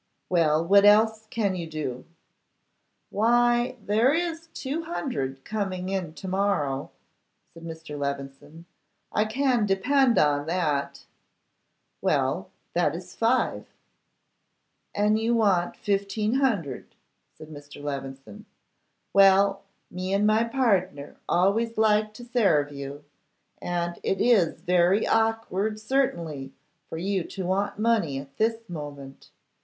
'Well, what else can you do?' 'Why, there is two hundred coming in to morrow,' said Mr. Levison; 'I can depend on that.' 'Well, that is five.' 'And you want fifteen hundred,' said Mr. Levison. 'Well, me and my pardner always like to sarve you, and it is very awkward certainly for you to want money at this moment.